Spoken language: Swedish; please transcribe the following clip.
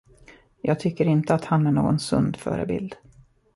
Jag tycker inte att han är någon sund förebild.